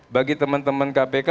bagi teman teman kpk